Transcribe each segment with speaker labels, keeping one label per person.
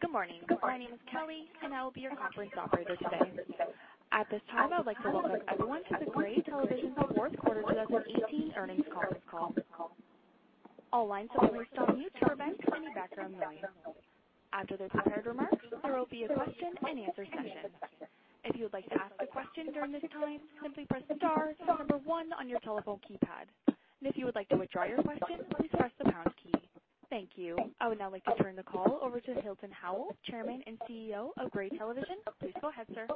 Speaker 1: Good morning. My name is Kelly. I will be your operator for today. At this time, I would like to welcome everyone to the Gray Television fourth quarter 2018 earnings conference call. All lines have been placed on mute to prevent any background noise. After the prepared remarks, there will be a question-and-answer session. If you would like to ask a question during this time, simply press star then one on your telephone keypad. If you would like to withdraw your question, please press the pound key. Thank you. I would now like to turn the call over to Hilton Howell, Chairman and CEO of Gray Television. Please go ahead, sir.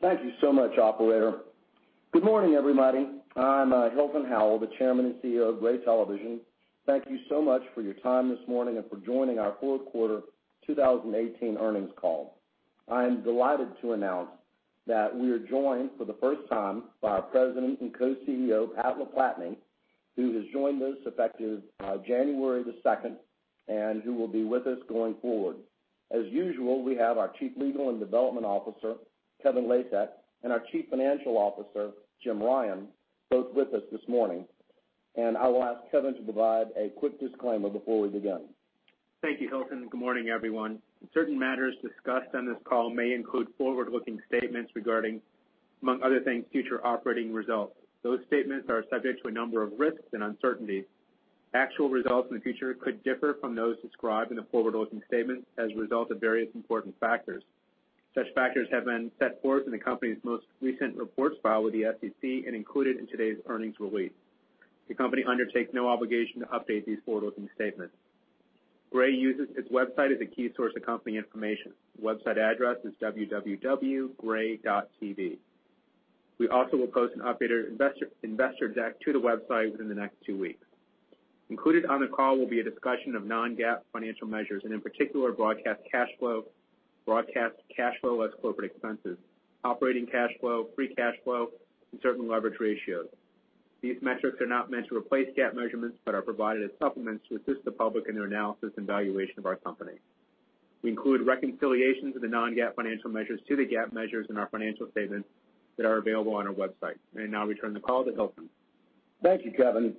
Speaker 2: Thank you so much, operator. Good morning, everybody. I'm Hilton Howell, the Chairman and CEO of Gray Television. Thank you so much for your time this morning and for joining our fourth quarter 2018 earnings call. I am delighted to announce that we are joined for the first time by our President and Co-CEO, Pat LaPlatney, who has joined us effective January 2nd and who will be with us going forward. As usual, we have our Chief Legal and Development Officer, Kevin Latek, and our Chief Financial Officer, Jim Ryan, both with us this morning. I will ask Kevin to provide a quick disclaimer before we begin.
Speaker 3: Thank you, Hilton. Good morning, everyone. Certain matters discussed on this call may include forward-looking statements regarding, among other things, future operating results. Those statements are subject to a number of risks and uncertainties. Actual results in the future could differ from those described in the forward-looking statement as a result of various important factors. Such factors have been set forth in the company's most recent reports filed with the SEC and included in today's earnings release. The company undertakes no obligation to update these forward-looking statements. Gray uses its website as a key source of company information. The website address is www.gray.tv. We also will post an updated investor deck to the website within the next two weeks. Included on the call will be a discussion of non-GAAP financial measures, in particular, broadcast cash flow, broadcast cash flow less corporate expenses, operating cash flow, free cash flow, and certain leverage ratios. These metrics are not meant to replace GAAP measurements but are provided as supplements to assist the public in their analysis and valuation of our company. We include reconciliations of the non-GAAP financial measures to the GAAP measures in our financial statements that are available on our website. Now I'll return the call to Hilton.
Speaker 2: Thank you, Kevin.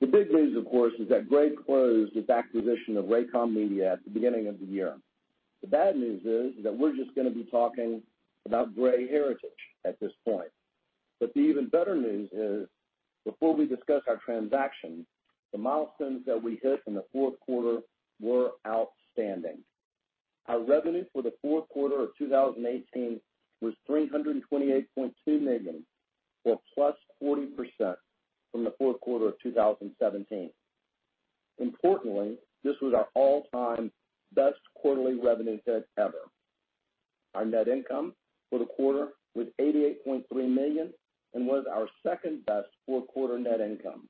Speaker 2: The big news, of course, is that Gray closed its acquisition of Raycom Media at the beginning of the year. The bad news is that we're just going to be talking about Gray heritage at this point. The even better news is, before we discuss our transaction, the milestones that we hit in the fourth quarter were outstanding. Our revenue for the fourth quarter of 2018 was $328.2 million, or +40% from the fourth quarter of 2017. Importantly, this was our all-time best quarterly revenue set ever. Our net income for the quarter was $88.3 million and was our second-best fourth quarter net income.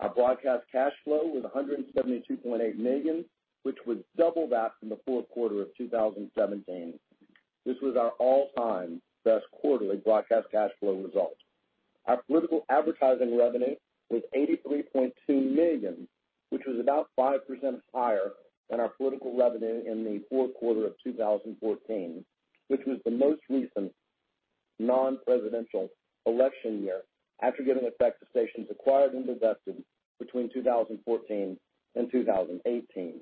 Speaker 2: Our broadcast cash flow was $172.8 million, which was double that from the fourth quarter of 2017. This was our all-time best quarterly broadcast cash flow result. Our political advertising revenue was $83.2 million, which was about 5% higher than our political revenue in the fourth quarter of 2014, which was the most recent non-presidential election year after giving effect to stations acquired and divested between 2014 and 2018.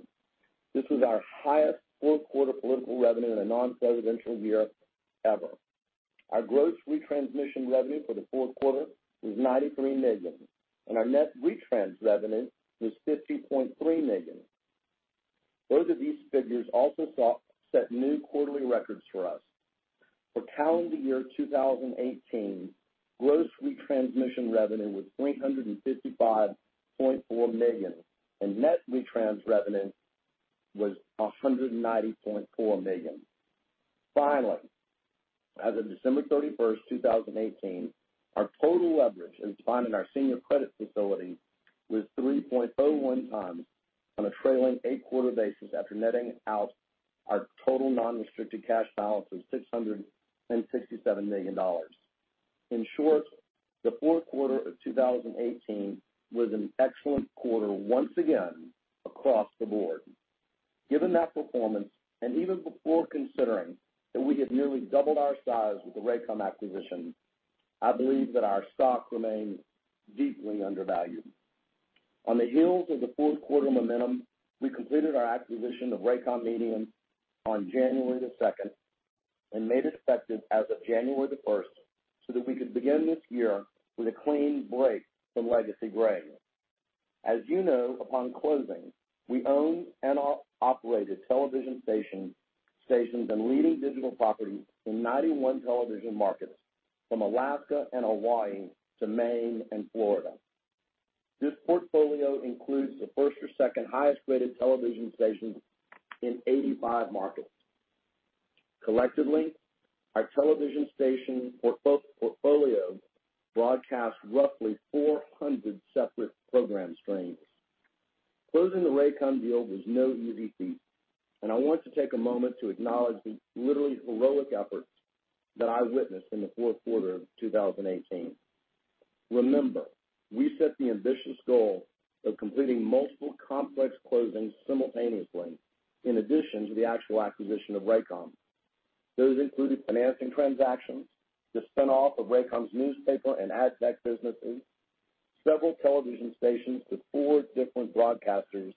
Speaker 2: This was our highest fourth-quarter political revenue in a non-presidential year ever. Our gross retransmission revenue for the fourth quarter was $93 million, and our net retrans revenue was $50.3 million. Both of these figures also set new quarterly records for us. For calendar year 2018, gross retransmission revenue was $355.4 million, and net retrans revenue was $190.4 million. Finally, as of December 31st, 2018, our total leverage in combining our senior credit facility was 3.01x on a trailing eight-quarter basis after netting out our total non-restricted cash balance of $667 million. In short, the fourth quarter of 2018 was an excellent quarter once again across the board. Given that performance, and even before considering that we had nearly doubled our size with the Raycom acquisition, I believe that our stock remains deeply undervalued. On the heels of the fourth quarter momentum, we completed our acquisition of Raycom Media on January the 2nd and made it effective as of January the 1st so that we could begin this year with a clean break from legacy Gray. As you know, upon closing, we own and operate television stations and leading digital properties in 91 television markets, from Alaska and Hawaii to Maine and Florida. This portfolio includes the first or second highest-rated television station in 85 markets. Collectively, our television station portfolio broadcasts roughly 400 separate program streams. Closing the Raycom deal was no easy feat, and I want to take a moment to acknowledge the literally heroic efforts that I witnessed in the fourth quarter of 2018. Remember, we set the ambitious goal of completing multiple complex closings simultaneously in addition to the actual acquisition of Raycom. Those included financing transactions, the spin-off of Raycom's newspaper and AdTech businesses, several television stations with four different broadcasters,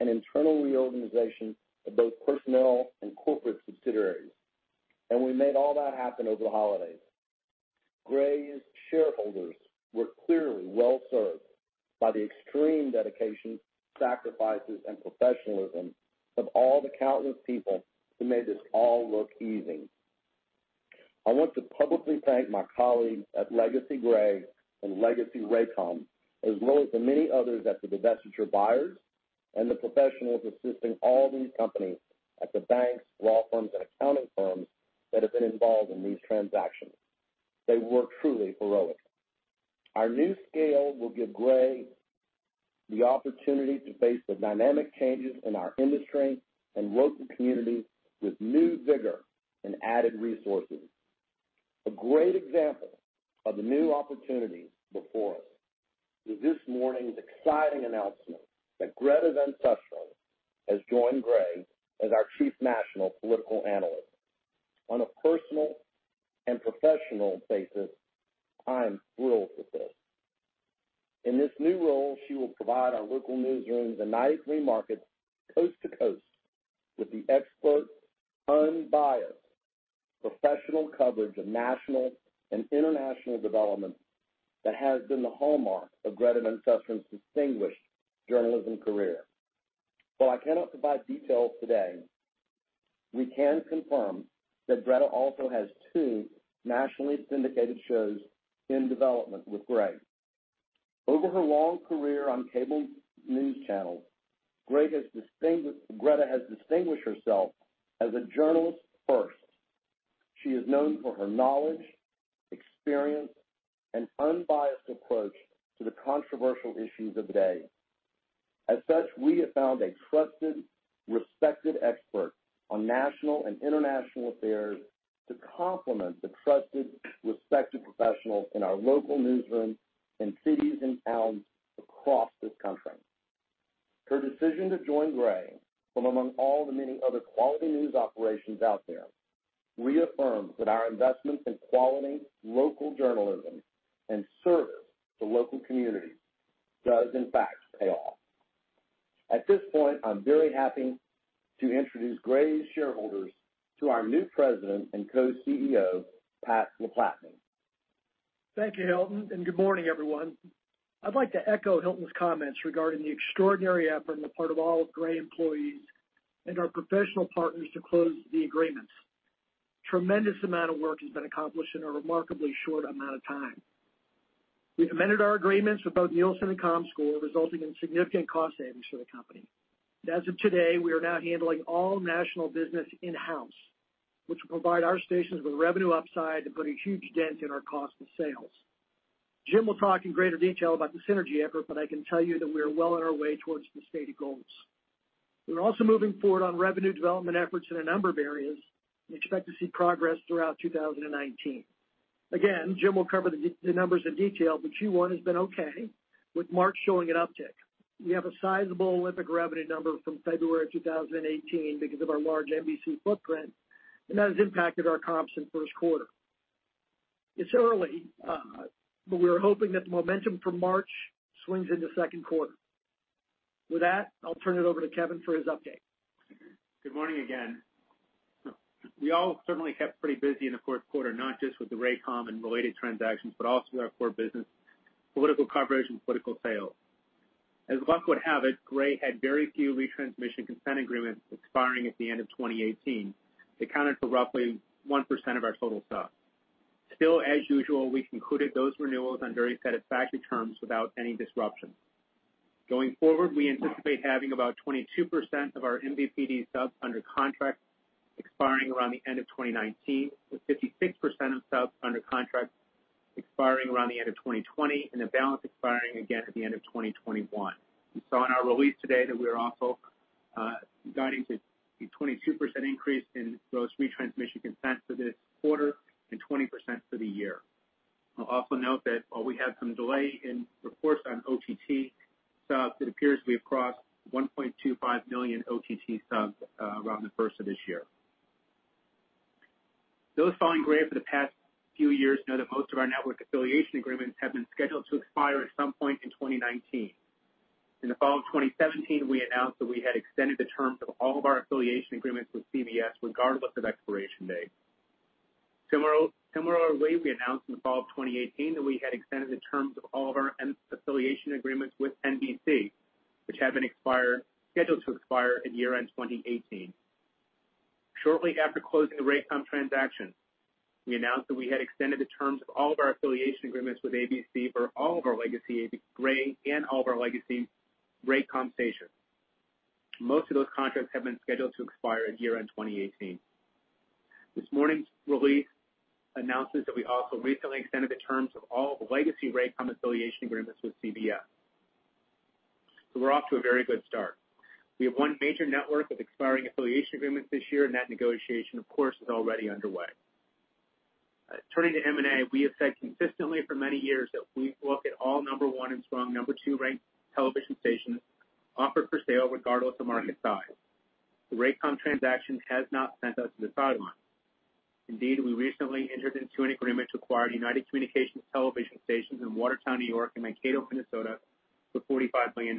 Speaker 2: and internal reorganization of both personnel and corporate subsidiaries. We made all that happen over the holidays. Gray's shareholders were clearly well-served by the extreme dedication, sacrifices, and professionalism of all the countless people who made this all look easy. I want to publicly thank my colleagues at legacy Gray and legacy Raycom, as well as the many others at the divestiture buyers and the professionals assisting all these companies at the banks, law firms, and accounting firms that have been involved in these transactions. They were truly heroic. Our new scale will give Gray the opportunity to face the dynamic changes in our industry and local communities with new vigor and added resources. A great example of the new opportunities before us is this morning's exciting announcement that Greta Van Susteren has joined Gray as our Chief National Political Analyst. On a personal and professional basis, I am thrilled with this. In this new role, she will provide our local newsrooms in 93 markets coast to coast with the expert, unbiased, professional coverage of national and international developments that has been the hallmark of Greta Van Susteren's distinguished journalism career. While I cannot provide details today, we can confirm that Greta also has two nationally syndicated shows in development with Gray. Over her long career on cable news channels, Greta has distinguished herself as a journalist first. She is known for her knowledge, experience, and unbiased approach to the controversial issues of the day. As such, we have found a trusted, respected expert on national and international affairs to complement the trusted, respected professionals in our local newsrooms in cities and towns across this country. Her decision to join Gray from among all the many other quality news operations out there reaffirms that our investment in quality local journalism and service to local communities does in fact pay off. At this point, I'm very happy to introduce Gray's shareholders to our new President and Co-CEO, Pat LaPlatney.
Speaker 4: Thank you, Hilton. Good morning, everyone. I'd like to echo Hilton's comments regarding the extraordinary effort on the part of all Gray employees and our professional partners to close the agreements. Tremendous amount of work has been accomplished in a remarkably short amount of time. We've amended our agreements with both Nielsen and Comscore, resulting in significant cost savings for the company. As of today, we are now handling all national business in-house, which will provide our stations with revenue upside and put a huge dent in our cost of sales. Jim will talk in greater detail about the synergy effort, but I can tell you that we are well on our way towards the stated goals. We're also moving forward on revenue development efforts in a number of areas and expect to see progress throughout 2019. Jim will cover the numbers in detail, but Q1 has been okay, with March showing an uptick. We have a sizable Olympic revenue number from February 2018 because of our large NBC footprint, and that has impacted our comps in the first quarter. It's early, but we are hoping that the momentum from March swings into the second quarter. With that, I'll turn it over to Kevin for his update.
Speaker 3: Good morning again. We all certainly kept pretty busy in the fourth quarter, not just with the Raycom and related transactions, but also our core business, political coverage, and political sales. As luck would have it, Gray had very few retransmission consent agreements expiring at the end of 2018. It accounted for roughly 1% of our total subs. Still, as usual, we concluded those renewals on very satisfactory terms without any disruption. Going forward, we anticipate having about 22% of our MVPD subs under contract expiring around the end of 2019, with 56% of subs under contract expiring around the end of 2020, and the balance expiring again at the end of 2021. You saw in our release today that we're also guiding to a 22% increase in gross retransmission consents for this quarter and 20% for the year. I'll also note that while we had some delay in reports on OTT subs, it appears we have crossed 1.25 million OTT subs around the first of this year. Those following Gray for the past few years know that most of our network affiliation agreements have been scheduled to expire at some point in 2019. In the fall of 2017, we announced that we had extended the terms of all of our affiliation agreements with CBS regardless of expiration date. Similarly, we announced in the fall of 2018 that we had extended the terms of all of our affiliation agreements with NBC, which had been scheduled to expire at year-end 2018. Shortly after closing the Raycom transaction, we announced that we had extended the terms of all of our affiliation agreements with ABC for all of our legacy Gray and all of our legacy Raycom stations. Most of those contracts had been scheduled to expire at year-end 2018. This morning's release announces that we also recently extended the terms of all of the legacy Raycom affiliation agreements with CBS. We're off to a very good start. We have one major network with expiring affiliation agreements this year, and that negotiation, of course, is already underway. Turning to M&A, we have said consistently for many years that we look at all number one and strong number two ranked television stations offered for sale regardless of market size. The Raycom transaction has not sent us to the sidelines. Indeed, we recently entered into an agreement to acquire United Communications television stations in Watertown, New York and Mankato, Minnesota for $45 million.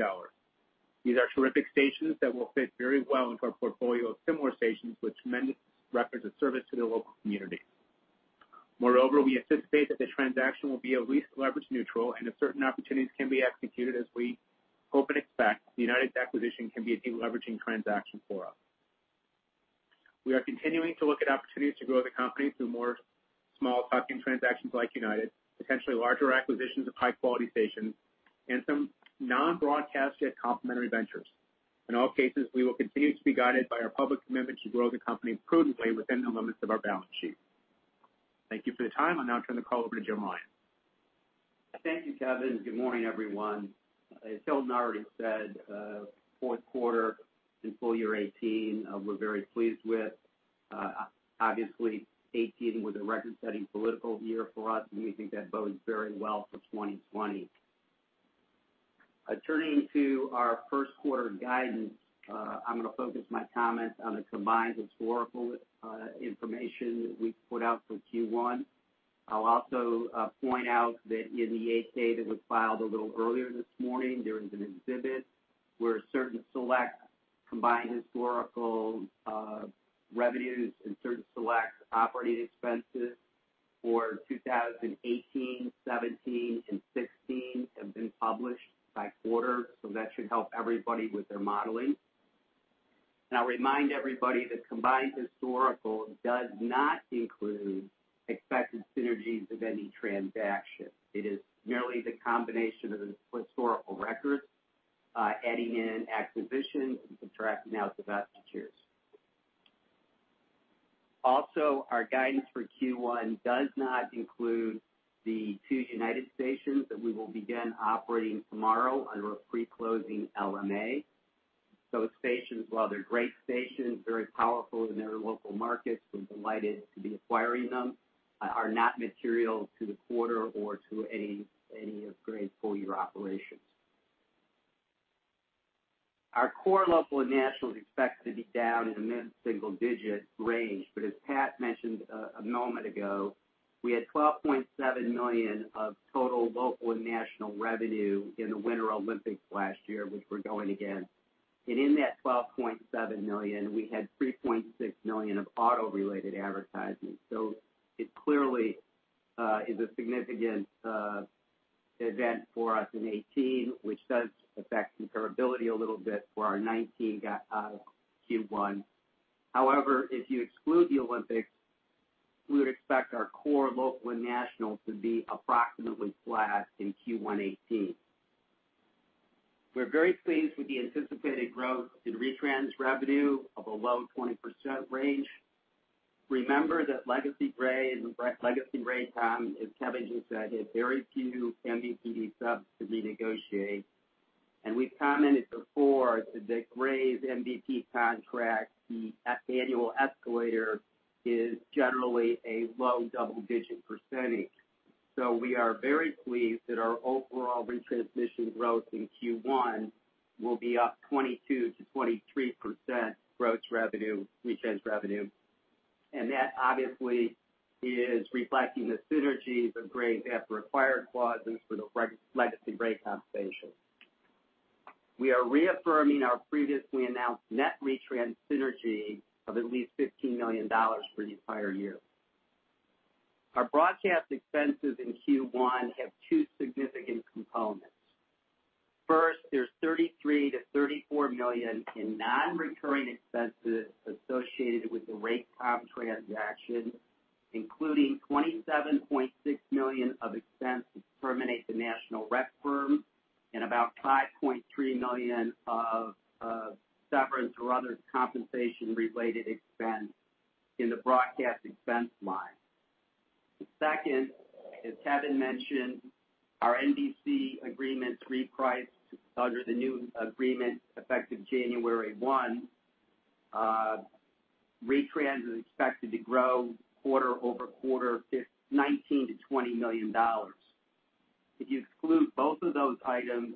Speaker 3: These are terrific stations that will fit very well into our portfolio of similar stations with tremendous records of service to the local community. We anticipate that the transaction will be at least leverage neutral, and if certain opportunities can be executed as we hope and expect, the United acquisition can be a de-leveraging transaction for us. We are continuing to look at opportunities to grow the company through more small tuck-in transactions like United, potentially larger acquisitions of high-quality stations, and some non-broadcast, yet complementary ventures. In all cases, we will continue to be guided by our public commitment to grow the company prudently within the limits of our balance sheet. Thank you for the time. I'll now turn the call over to Jim Ryan.
Speaker 5: Thank you, Kevin. Good morning, everyone. As Kevin already said, fourth quarter and full year 2018, we're very pleased with. Obviously, 2018 was a record-setting political year for us, and we think that bodes very well for 2020. Turning to our first quarter guidance, I'm going to focus my comments on the combined historical information that we've put out for Q1. I'll also point out that in the 8-K that was filed a little earlier this morning, there is an exhibit where certain select combined historical revenues and certain select operating expenses for 2018, 2017, and 2016 have been published by quarter, so that should help everybody with their modeling. Remind everybody that combined historical does not include expected synergies of any transaction. It is merely the combination of the historical records, adding in acquisitions and subtracting out divestitures. Our guidance for Q1 does not include the two United stations that we will begin operating tomorrow under a pre-closing LMA. Those stations, while they're great stations, very powerful in their local markets, we're delighted to be acquiring them, are not material to the quarter or to any of Gray's full-year operations. Our core local and national is expected to be down in the mid-single-digit range. As Pat mentioned a moment ago, we had $12.7 million of total local and national revenue in the Winter Olympics last year, which we're going again. In that $12.7 million, we had $3.6 million of auto-related advertising. It clearly is a significant event for us in 2018, which does affect comparability a little bit for our 2019 Q1. However, if you exclude the Winter Olympics, we would expect our core local and national to be approximately flat in Q1 2018. We're very pleased with the anticipated growth in retrans revenue of a low 20% range. Remember that legacy Gray and legacy Raycom, as Kevin just said, had very few MVPD subs to renegotiate. We've commented before that Gray's MVPD contract, the annual escalator is generally a low double-digit percentage. We are very pleased that our overall retransmission growth in Q1 will be up 22%-23% gross revenue, retrans revenue. That obviously is reflecting the synergies of Gray's after-acquired clauses for the legacy Raycom stations. We are reaffirming our previously announced net retrans synergy of at least $15 million for the entire year. Our broadcast expenses in Q1 have two significant components. First, there is $33 million-$34 million in non-recurring expenses associated with the Raycom transaction, including $27.6 million of expense to terminate the national rep firm and about $5.3 million of severance or other compensation-related expense in the broadcast expense line. The second, as Kevin mentioned, our NBC agreement repriced under the new agreement effective January 1. Retrans is expected to grow quarter-over-quarter $19 million-$20 million. If you exclude both of those items,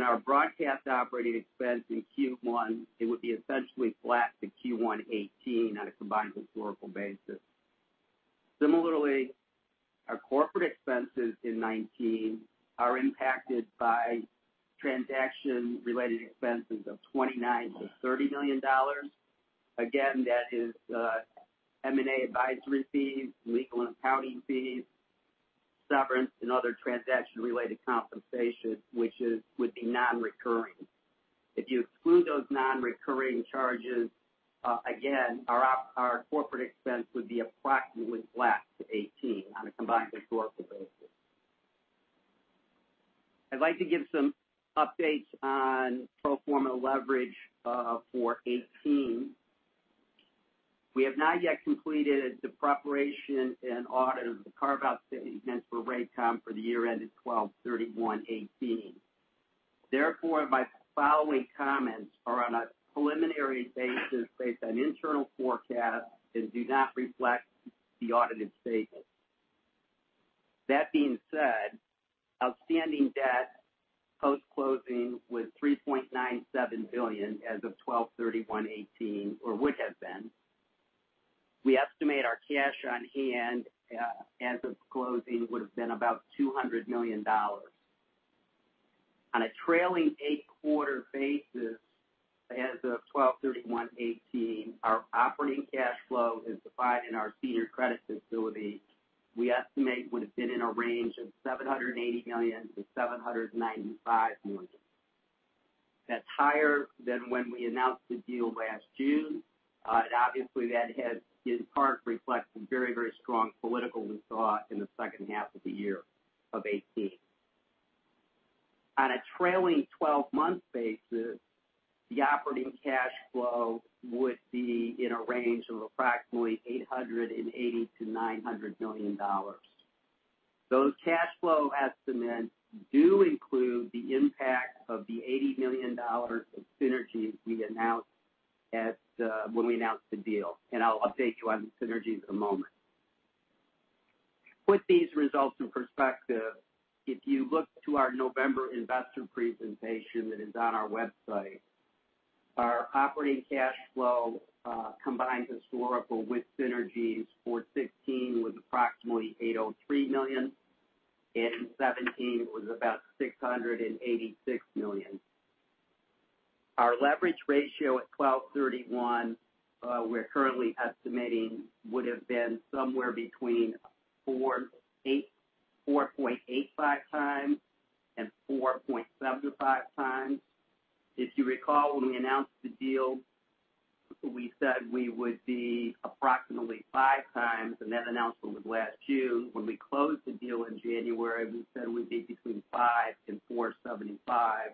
Speaker 5: our broadcast operating expense in Q1 would be essentially flat to Q1 2018 on a combined historical basis. Similarly, our corporate expenses in 2019 are impacted by transaction-related expenses of $29 million-$30 million. That is M&A advisory fees, legal and accounting fees, severance, and other transaction-related compensation, which would be non-recurring. If you exclude those non-recurring charges, our corporate expense would be approximately flat to 2018 on a combined historical basis. I would like to give some updates on pro forma leverage for 2018. We have not yet completed the preparation and audit of the carve-out statements for Raycom for the year ended 12/31/2018. Therefore, my following comments are on a preliminary basis based on internal forecasts and do not reflect the audited statements. That being said, outstanding debt post-closing was $3.97 billion as of 12/31/2018, or would have been. We estimate our cash on hand as of closing would have been about $200 million. On a trailing eight-quarter basis as of 12/31/2018, our operating cash flow as defined in our senior credit facility, we estimate would have been in a range of $780 million-$795 million. That is higher than when we announced the deal last June. Obviously, that has in part reflected very, very strong political winds in the second half of the year of 2018. On a trailing 12-month basis, the operating cash flow would be in a range of approximately $880 million-$900 million. Those cash flow estimates do include the impact of the $80 million of synergies we announced when we announced the deal, and I will update you on the synergies in a moment. To put these results in perspective, if you look to our November investor presentation that is on our website, our operating cash flow, combined historical with synergies for 2016 was approximately $803 million, and in 2017 it was about $686 million. Our leverage ratio at 12/31/2018, we are currently estimating would have been somewhere between 4.85x and 4.75x. If you recall, when we announced the deal, we said we would be approximately 5x, and that announcement was last June. When we closed the deal in January, we said we would be between 5x and 4.75x,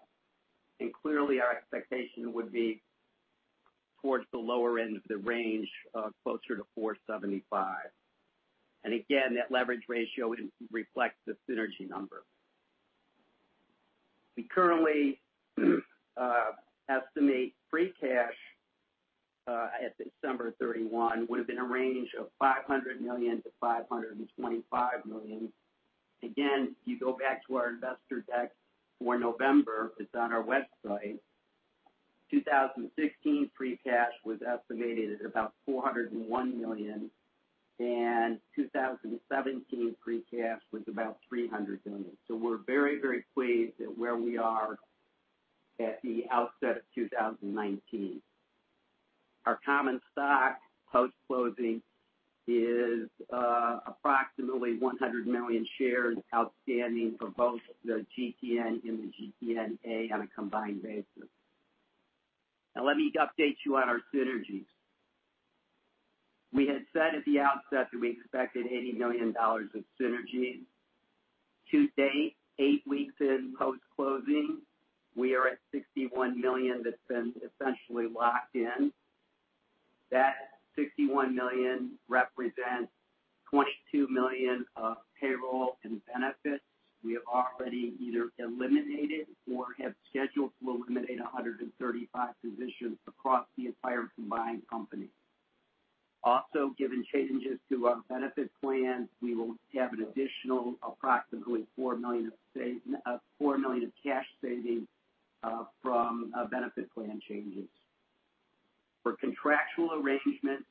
Speaker 5: and clearly our expectation would be towards the lower end of the range, closer to 4.75x. That leverage ratio would not reflect the synergy number. We currently estimate free cash at December 31, 2018 would have been a range of $500 million to $525 million. If you go back to our investor deck for November, it is on our website, 2016 free cash was estimated at about $401 million, and 2017 free cash was about $300 million. We are very, very pleased at where we are at the outset of 2019. Our common stock post-closing is approximately 100 million shares outstanding for both the GTN and the GTNA on a combined basis. Let me update you on our synergies. We had said at the outset that we expected $80 million of synergies. To date, eight weeks in post-closing, we are at $61 million that's been essentially locked in. That $61 million represents $22 million of payroll and benefits we have already either eliminated or have scheduled to eliminate 135 positions across the entire combined company. Also, given changes to our benefit plans, we will have an additional approximately $4 million of cash savings from benefit plan changes. For contractual arrangements,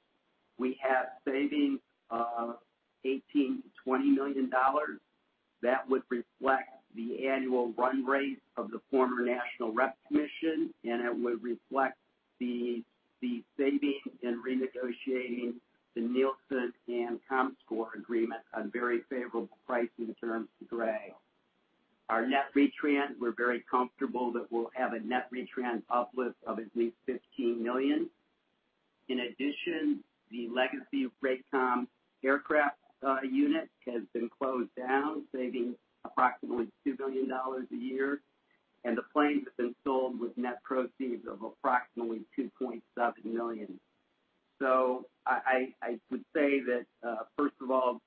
Speaker 5: we have savings of $18 million to $20 million. That would reflect the annual run rate of the former national reps commission. It would reflect the savings in renegotiating the Nielsen and Comscore agreement on very favorable pricing terms to Gray. Our net retrans, we're very comfortable that we'll have a net retrans uplift of at least $15 million. The legacy Raycom aircraft unit has been closed down, saving approximately $2 million a year. The plane has been sold with net proceeds of approximately $2.7 million. I would say that, first of all,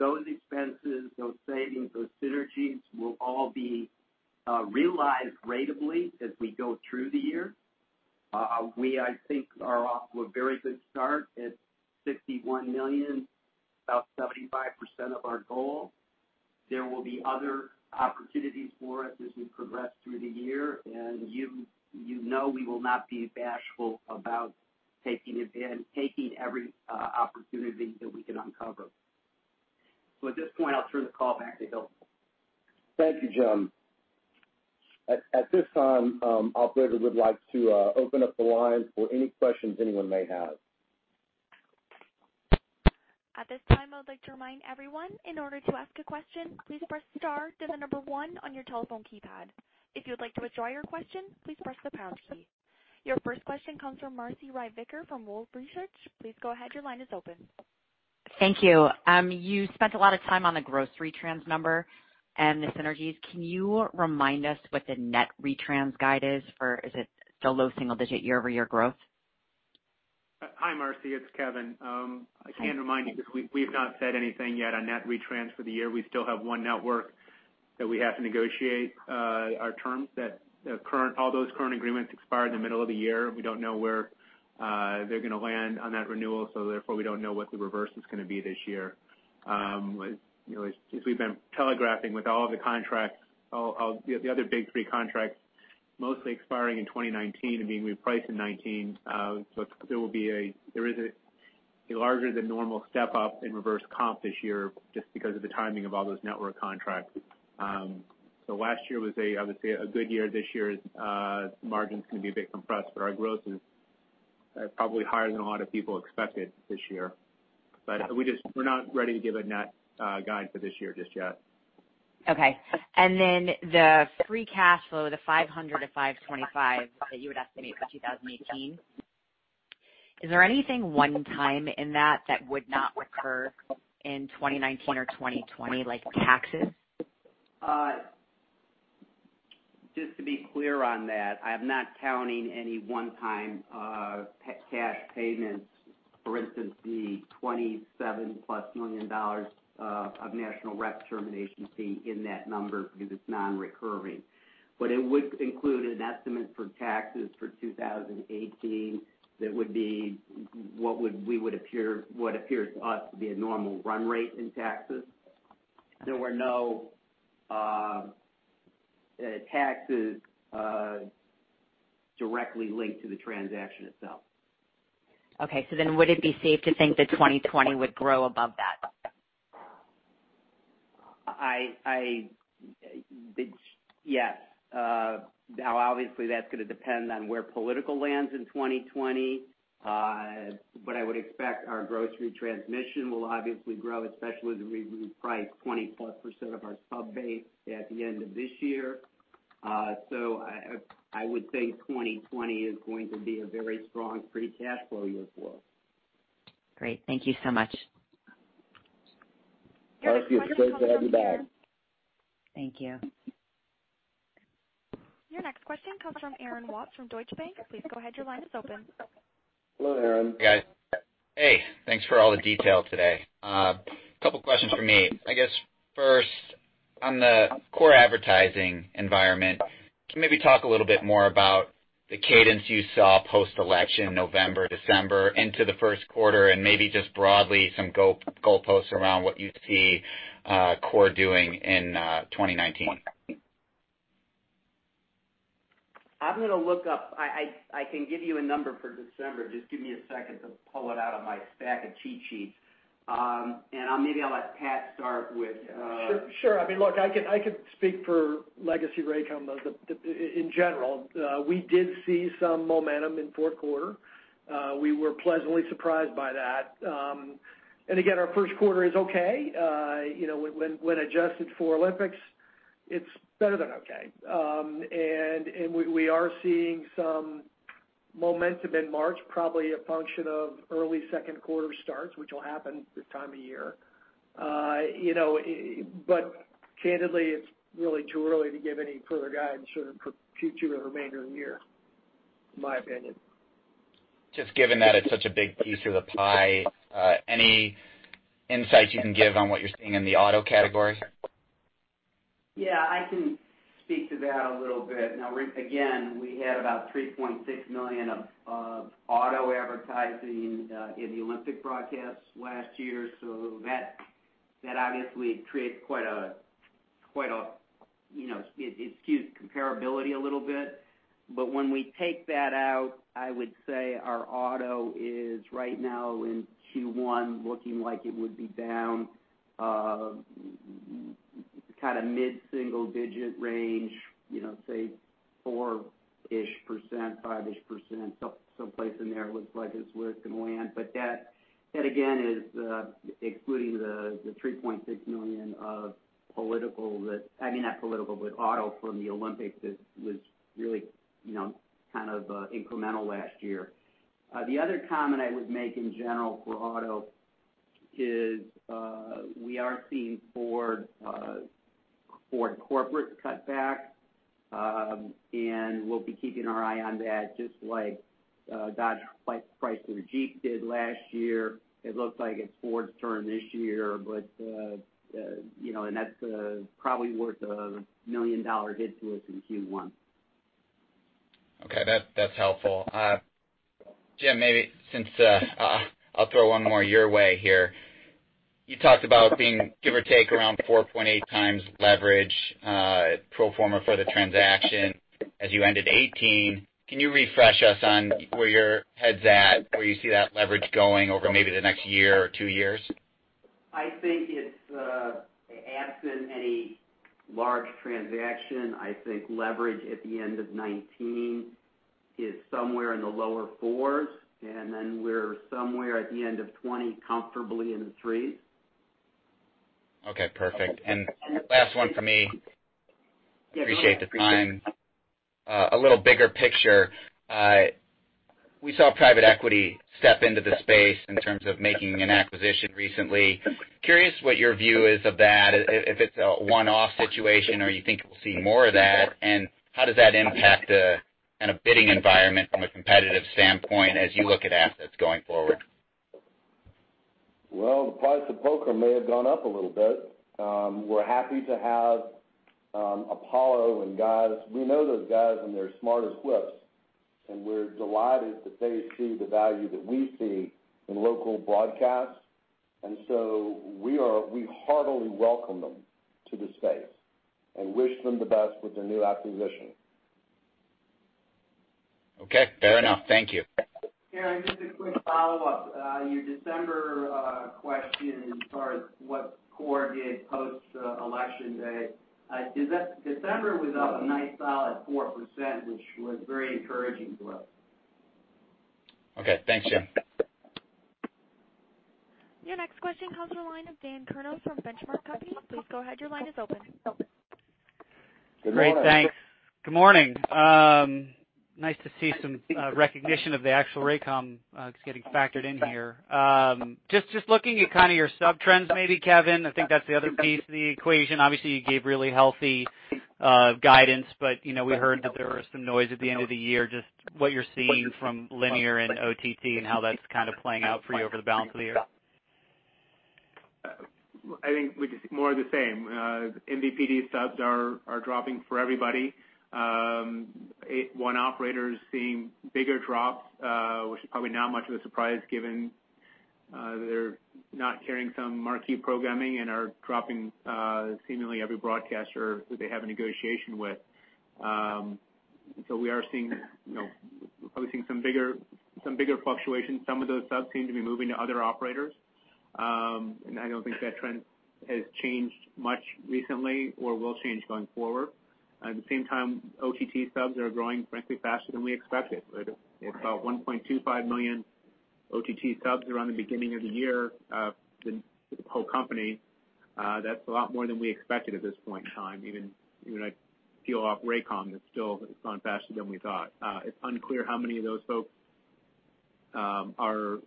Speaker 5: those expenses, those savings, those synergies will all be realized ratably as we go through the year. We, I think, are off to a very good start at $61 million, about 75% of our goal. There will be other opportunities for us as we progress through the year. You know we will not be bashful about taking every opportunity that we can uncover. At this point, I'll turn the call back to Hill.
Speaker 2: Thank you, Jim. At this time, operator, we would like to open up the lines for any questions anyone may have.
Speaker 1: At this time, I would like to remind everyone, in order to ask a question, please press star, then the number one on your telephone keypad. If you would like to withdraw your question, please press the pound key. Your first question comes from Marci Ryvicker from Wolfe Research. Please go ahead, your line is open.
Speaker 6: Thank you. You spent a lot of time on the gross retrans number and the synergies. Can you remind us what the net retrans guide is for? Is it still low single digit year-over-year growth?
Speaker 3: Hi, Marci, it's Kevin. I can remind you, because we've not said anything yet on net retrans for the year. We still have one network that we have to negotiate our terms that all those current agreements expire in the middle of the year. We don't know where they're going to land on that renewal, therefore, we don't know what the reverse is going to be this year. As we've been telegraphing with all the contracts, the other big three contracts mostly expiring in 2019 and being repriced in 2019. There is a larger than normal step-up in reverse comp this year just because of the timing of all those network contracts. Last year was, I would say, a good year. This year's margin's going to be a bit compressed, our growth is probably higher than a lot of people expected this year. We're not ready to give a net guide for this year just yet.
Speaker 6: Okay. The free cash flow, the $500-$525 that you would estimate for 2018, is there anything one time in that that would not recur in 2019 or 2020, like taxes?
Speaker 5: Just to be clear on that, I am not counting any one-time cash payments, for instance, the $27+ million of national rep termination fee in that number because it is non-recurring. It would include an estimate for taxes for 2018 that would be what appears to us to be a normal run rate in taxes. There were no taxes directly linked to the transaction itself.
Speaker 6: Would it be safe to think that 2020 would grow above that?
Speaker 5: Yes. Now, obviously, that is going to depend on where political lands in 2020. I would expect our gross retransmission will obviously grow, especially as we reprice 20%+ of our sub base at the end of this year. I would say 2020 is going to be a very strong free cash flow year for us.
Speaker 6: Great. Thank you so much.
Speaker 5: Marci, it's great to have you back.
Speaker 6: Thank you.
Speaker 1: Your next question comes from Aaron Watts from Deutsche Bank. Please go ahead. Your line is open.
Speaker 5: Hello, Aaron.
Speaker 7: Hey, guys. Hey, thanks for all the detail today. Couple questions from me. I guess, first, on the core advertising environment, can you maybe talk a little more about the cadence you saw post-election, November, December, into the first quarter, and maybe just broadly some goalposts around what you see core doing in 2019?
Speaker 5: I'm going to look up. I can give you a number for December. Just give me a second to pull it out of my stack of cheat sheets. Maybe I'll let Pat start with-
Speaker 4: Sure. I mean, look, I could speak for legacy Raycom in general. We did see some momentum in fourth quarter. We were pleasantly surprised by that. Again, our first quarter is okay. When adjusted for Olympics, it's better than okay. We are seeing some momentum in March, probably a function of early second quarter starts, which will happen this time of year. Candidly, it's really too early to give any further guidance for Q2 or remainder of the year, in my opinion.
Speaker 7: Just given that it's such a big piece of the pie, any insights you can give on what you're seeing in the auto category?
Speaker 5: I can speak to that a little bit. We had about $3.6 million of auto advertising in the Olympic broadcasts last year, so that obviously creates quite a. It skews comparability a little bit. When we take that out, I would say our auto is right now in Q1 looking like it would be down mid-single digit range, say 4%-5%, someplace in there looks like it's where it's going to land. That, again, is excluding the $3.6 million of auto from the Olympics that was really incremental last year. The other comment I would make in general for auto is we are seeing Ford corporate cut back, we'll be keeping our eye on that just like Dodge, Chrysler, Jeep did last year. It looks like it's Ford's turn this year, that's probably worth a $1 million hit to us in Q1.
Speaker 7: That's helpful. Jim, I'll throw one more your way here. You talked about being give or take around 4.8x leverage pro forma for the transaction as you ended 2018. Can you refresh us on where your head's at, where you see that leverage going over maybe the next year or two years?
Speaker 5: Absent any large transaction, I think leverage at the end of 2019 is somewhere in the lower 4s, then we're somewhere at the end of 2020 comfortably in the 3s.
Speaker 7: Perfect. Last one from me. Appreciate the time. A little bigger picture. We saw private equity step into the space in terms of making an acquisition recently. Curious what your view is of that, if it's a one-off situation or you think we'll see more of that, and how does that impact the bidding environment from a competitive standpoint as you look at assets going forward?
Speaker 2: The price of poker may have gone up a little bit. We're happy to have Apollo and guys. We know those guys and they're smart as whips, and we're delighted that they see the value that we see in local broadcast. We heartily welcome them to the space and wish them the best with their new acquisition.
Speaker 7: Fair enough. Thank you.
Speaker 5: Aaron, just a quick follow-up. Your December question as far as what core did post election day, December was up a nice solid 4%, which was very encouraging to us.
Speaker 7: Thanks, Jim
Speaker 1: Your next question comes from the line of Dan Kurnos from Benchmark Company. Please go ahead. Your line is open.
Speaker 2: Good morning.
Speaker 8: Great. Thanks. Good morning. Nice to see some recognition of the actual Raycom that's getting factored in here. Just looking at your sub-trends maybe, Kevin, I think that's the other piece of the equation. Obviously, you gave really healthy guidance, but we heard that there was some noise at the end of the year. Just what you're seeing from linear and OTT and how that's playing out for you over the balance of the year.
Speaker 3: I think more of the same. MVPD subs are dropping for everybody. One operator's seeing bigger drops, which is probably not much of a surprise given they're not carrying some marquee programming and are dropping seemingly every broadcaster that they have a negotiation with. We're probably seeing some bigger fluctuations. Some of those subs seem to be moving to other operators. I don't think that trend has changed much recently or will change going forward. At the same time, OTT subs are growing frankly faster than we expected. We had about 1.25 million OTT subs around the beginning of the year for the whole company. That's a lot more than we expected at this point in time. Even I peel off Raycom, it's still gone faster than we thought. It's unclear how many of those folks are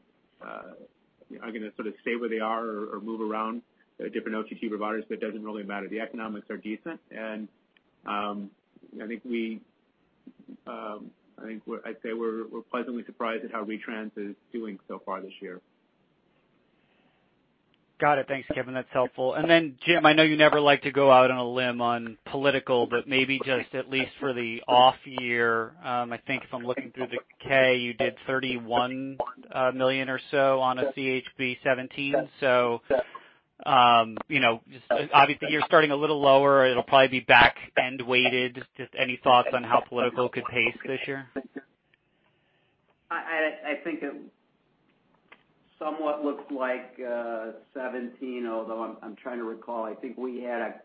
Speaker 3: going to sort of stay where they are or move around different OTT providers, but it doesn't really matter. The economics are decent and I'd say we're pleasantly surprised at how retrans is doing so far this year.
Speaker 8: Got it. Thanks, Kevin. That's helpful. Jim, I know you never like to go out on a limb on political, but maybe just at least for the off year. I think if I'm looking through the 8-K, you did $31 million or so on a CHB 2017. Obviously you're starting a little lower. It'll probably be back-end weighted. Just any thoughts on how political could pace this year?
Speaker 5: I think it somewhat looks like 2017, although I'm trying to recall. I think we had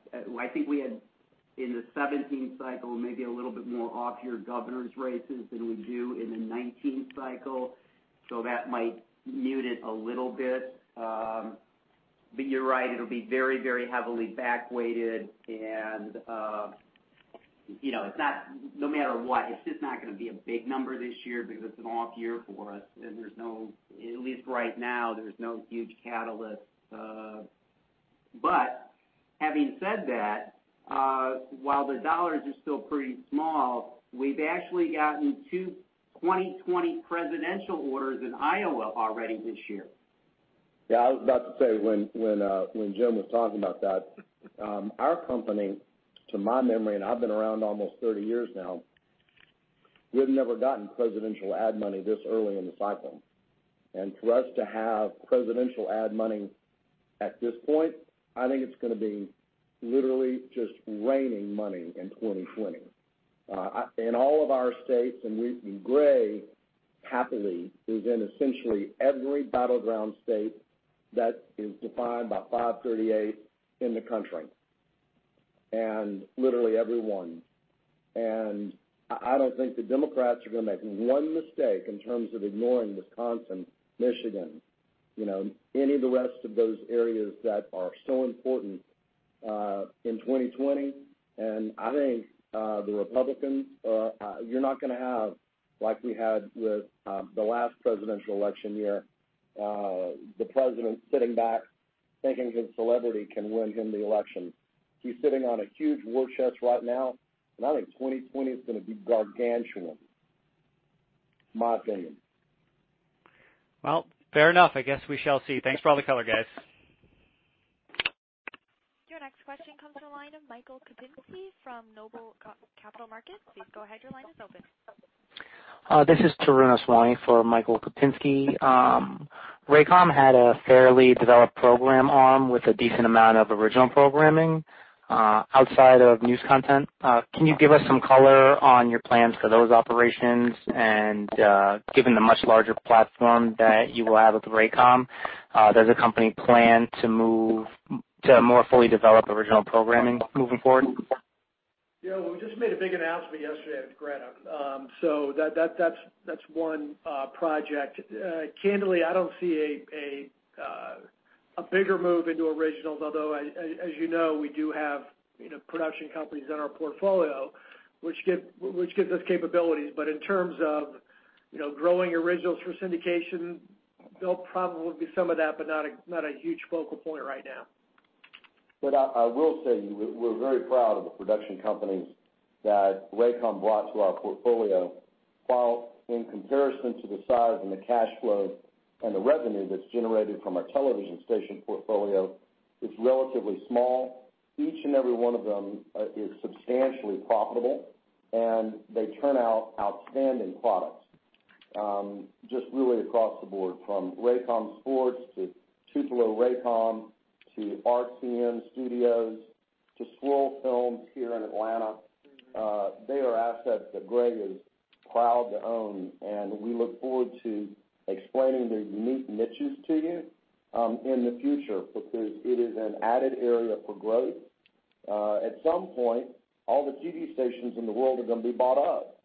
Speaker 5: in the 2017 cycle, maybe a little bit more off-year governor's races than we do in the 2019 cycle, that might mute it a little bit. You're right, it'll be very heavily back weighted and no matter what, it's just not going to be a big number this year because it's an off year for us and at least right now, there's no huge catalyst. Having said that, while the dollars are still pretty small, we've actually gotten two 2020 presidential orders in Iowa already this year.
Speaker 2: I was about to say when Jim was talking about that, our company, to my memory, and I've been around almost 30 years now, we've never gotten presidential ad money this early in the cycle. For us to have presidential ad money at this point, I think it's going to be literally just raining money in 2020. In all of our states and Gray happily is in essentially every battleground state that is defined by FiveThirtyEight in the country, literally every one. I don't think the Democrats are going to make one mistake in terms of ignoring Wisconsin, Michigan, any of the rest of those areas that are so important, in 2020. I think, the Republicans, you're not going to have, like we had with the last presidential election year, the president sitting back thinking his celebrity can win him the election. He's sitting on a huge war chest right now, I think 2020 is going to be gargantuan. My opinion.
Speaker 8: Well, fair enough. I guess we shall see. Thanks for all the color, guys.
Speaker 1: Your next question comes from the line of Michael Kupinski from Noble Capital Markets. Please go ahead. Your line is open.
Speaker 9: This is Tarun Aswani for Michael Kupinski. Raycom had a fairly developed program arm with a decent amount of original programming, outside of news content. Can you give us some color on your plans for those operations and, given the much larger platform that you will have with Raycom, does the company plan to more fully develop original programming moving forward?
Speaker 2: Yeah, we just made a big announcement yesterday with Greta. That's one project. Candidly, I don't see a bigger move into originals, although as you know, we do have production companies in our portfolio, which gives us capabilities. In terms of growing originals for syndication, there'll probably be some of that, but not a huge focal point right now. I will say we're very proud of the production companies that Raycom brought to our portfolio. While in comparison to the size and the cash flow and the revenue that's generated from our television station portfolio, it's relatively small. Each and every one of them is substantially profitable, and they turn out outstanding products just really across the board, from Raycom Sports to Tupelo Raycom to RCN Studios to Swirl Films here in Atlanta. They are assets that Gray is proud to own. We look forward to explaining their unique niches to you in the future because it is an added area for growth. At some point, all the TV stations in the world are going to be bought up,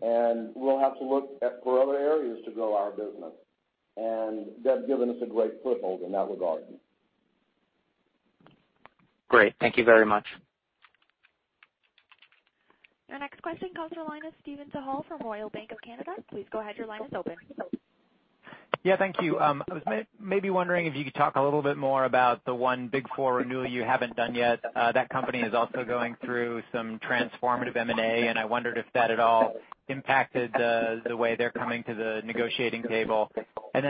Speaker 2: and we'll have to look for other areas to grow our business, and they've given us a great foothold in that regard.
Speaker 9: Great. Thank you very much.
Speaker 1: Our next question comes from the line of Steven Cahall from Royal Bank of Canada. Please go ahead. Your line is open.
Speaker 10: Thank you. I was wondering if you could talk a little bit more about the one big four renewal you haven't done yet. That company is also going through some transformative M&A, I wondered if that at all impacted the way they're coming to the negotiating table.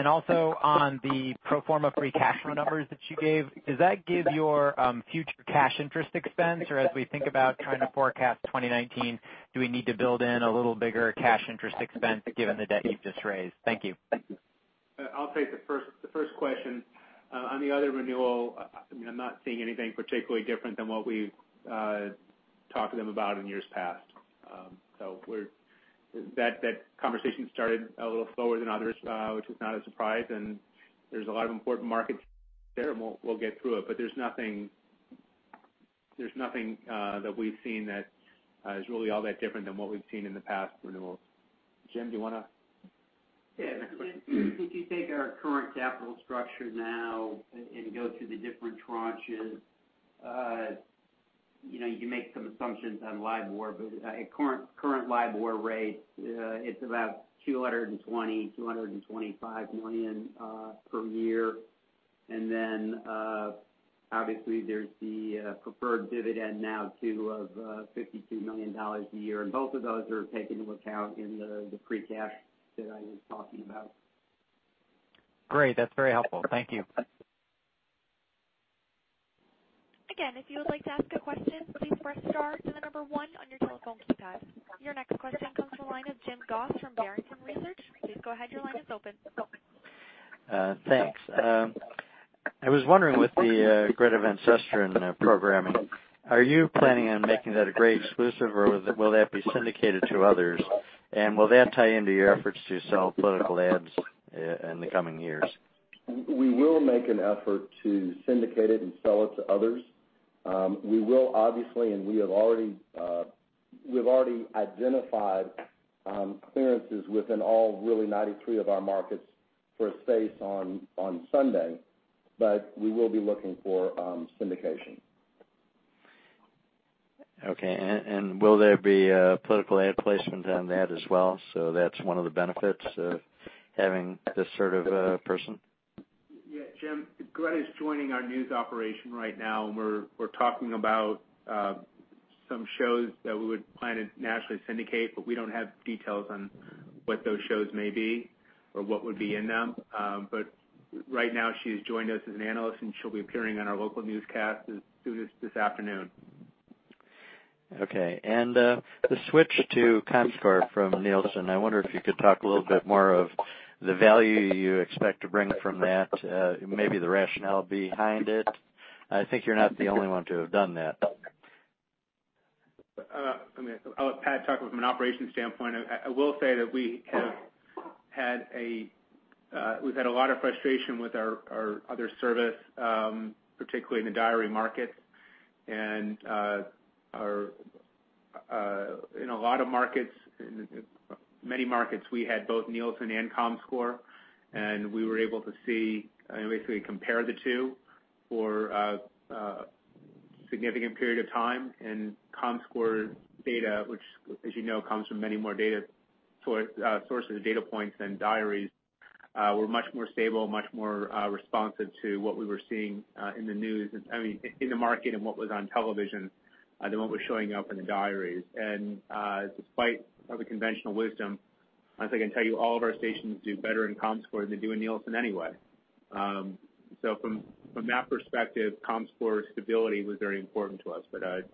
Speaker 10: Also on the pro forma free cash flow numbers that you gave, does that give your future cash interest expense? As we think about trying to forecast 2019, do we need to build in a little bigger cash interest expense given the debt you've just raised? Thank you.
Speaker 3: I'll take the first question. On the other renewal, I'm not seeing anything particularly different than what we've talked to them about in years past. That conversation started a little slower than others, which was not a surprise, there's a lot of important market share, we'll get through it. There's nothing that we've seen that is really all that different than what we've seen in the past renewals. Jim, do you want to?
Speaker 5: If you take our current capital structure now and go through the different tranches, you can make some assumptions on LIBOR, but at current LIBOR rates, it's about $220 million-$225 million per year. Obviously, there's the preferred dividend now, too, of $52 million a year, both of those are taken into account in the free cash that I was talking about.
Speaker 10: Great. That's very helpful. Thank you.
Speaker 1: Again, if you would like to ask a question, please press star then the number one on your telephone keypad. Your next question comes from the line of Jim Goss from Barrington Research. Please go ahead. Your line is open.
Speaker 11: Thanks. I was wondering with the Greta Van Susteren programming, are you planning on making that a Gray exclusive, or will that be syndicated to others? Will that tie into your efforts to sell political ads in the coming years?
Speaker 2: We will make an effort to syndicate it and sell it to others. We will, obviously, we've already identified clearances within all, really, 93 of our markets for a space on Sunday, we will be looking for syndication.
Speaker 11: Okay, will there be political ad placement on that as well, that's one of the benefits of having this sort of person?
Speaker 3: Yeah, Jim, Greta is joining our news operation right now. We're talking about some shows that we would plan to nationally syndicate, but we don't have details on what those shows may be or what would be in them. Right now she's joined us as an analyst, and she'll be appearing on our local newscast as soon as this afternoon.
Speaker 11: Okay, the switch to Comscore from Nielsen, I wonder if you could talk a little bit more of the value you expect to bring from that, maybe the rationale behind it. I think you're not the only one to have done that.
Speaker 3: I'll let Pat talk from an operations standpoint. I will say that we've had a lot of frustration with our other service, particularly in the diary markets. In a lot of markets, many markets, we had both Nielsen and Comscore, and we were able to see and basically compare the two for a significant period of time. Comscore data, which as you know, comes from many more data sources, data points and diaries, were much more stable, much more responsive to what we were seeing in the news. I mean, in the market and what was on television than what was showing up in the diaries. Despite other conventional wisdom, as I can tell you, all of our stations do better in Comscore than they do in Nielsen anyway. From that perspective, Comscore's stability was very important to us.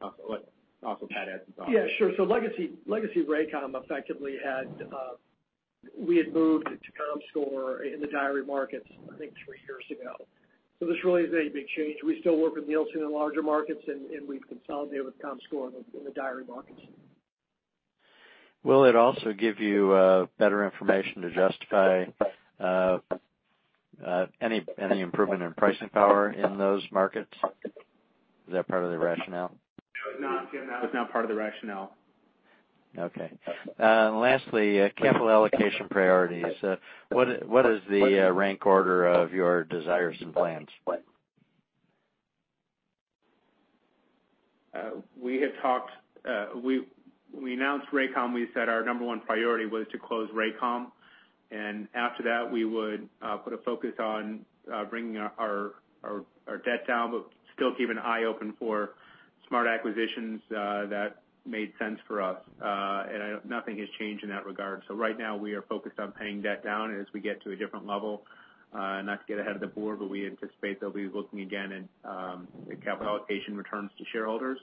Speaker 3: I'll let also Pat add some thoughts.
Speaker 4: Yeah, sure. We had moved to Comscore in the diary markets, I think, three years ago. This really isn't a big change. We still work with Nielsen in larger markets, and we've consolidated with Comscore in the diary markets.
Speaker 11: Will it also give you better information to justify any improvement in pricing power in those markets? Is that part of the rationale?
Speaker 3: No, it's not, Jim. That was not part of the rationale.
Speaker 11: Okay. Lastly, capital allocation priorities. What is the rank order of your desires and plans?
Speaker 3: When we announced Raycom, we said our number one priority was to close Raycom, after that, we would put a focus on bringing our debt down but still keep an eye open for smart acquisitions that made sense for us. Nothing has changed in that regard. Right now we are focused on paying debt down as we get to a different level. Not to get ahead of the board, we anticipate they'll be looking again at capital allocation returns to shareholders.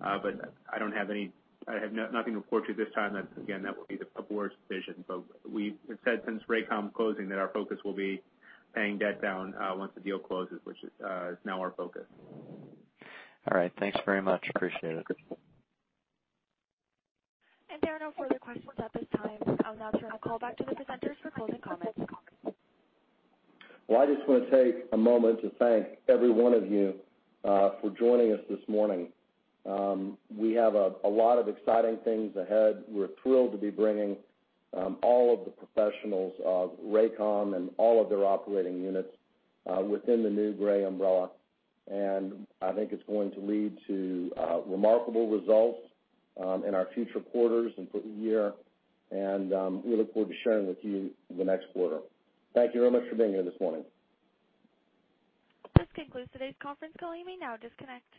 Speaker 3: I have nothing to report to you this time. Again, that will be the board's decision. We have said since Raycom closing that our focus will be paying debt down once the deal closes, which is now our focus.
Speaker 11: All right. Thanks very much. Appreciate it.
Speaker 1: There are no further questions at this time. I'll now turn the call back to the presenters for closing comments.
Speaker 2: Well, I just want to take a moment to thank every one of you for joining us this morning. We have a lot of exciting things ahead. We're thrilled to be bringing all of the professionals of Raycom and all of their operating units within the new Gray umbrella, I think it's going to lead to remarkable results in our future quarters and for the year, we look forward to sharing with you the next quarter. Thank you very much for being here this morning.
Speaker 1: This concludes today's conference call. You may now disconnect.